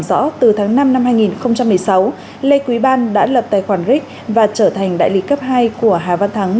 rõ từ tháng năm năm hai nghìn một mươi sáu lê quý ban đã lập tài khoản rick và trở thành đại lý cấp hai của hà văn thắng